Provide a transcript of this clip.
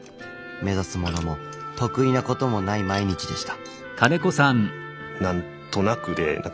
目指すものも得意なこともない毎日でした。